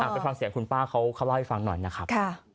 ไปฟังเสียงคุณป้าเขาเล่าให้ฟังหน่อยนะครับ